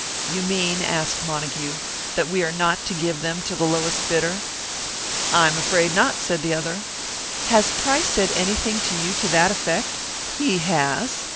"You mean," asked Montague, "that we are not to give them to the lowest bidder?" "I'm afraid not," said the other. "Has Price said anything to you to that effect?" "He has."